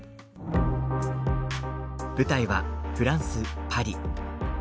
舞台はフランス・パリ。